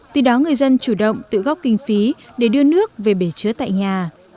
từ đó người dân chủ động tự góp kinh phí để đưa nước về bể chứa tại nhà